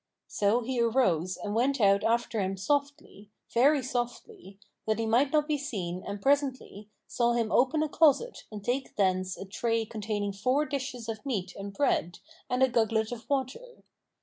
So he arose and went out after him softly, very softly, that he might not be seen and presently saw him open a closet and take thence a tray containing four dishes of meat and bread and a gugglet of water.